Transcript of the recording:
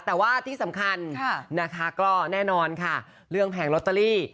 แต่ว่าที่สำคัญนะคะก็แน่นอนค่ะเรื่องแผงลอตเตอรี่